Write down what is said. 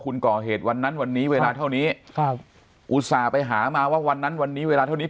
คุณก่อเหตุวันนั้นวันนี้เวลาเท่านี้ครับอุตส่าห์ไปหามาว่าวันนั้นวันนี้เวลาเท่านี้